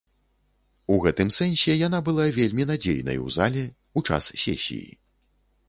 У гэтым сэнсе яна была вельмі надзейнай у зале, у час сесіі.